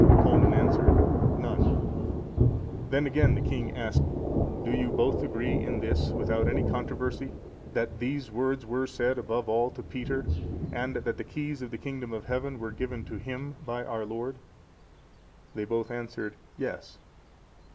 Colman answered, "None." Then again the king asked, "Do you both agree in this, without any controversy, that these words were said above all to Peter, and that the keys of the kingdom of Heaven were given to him by our Lord?" They both answered, "Yes."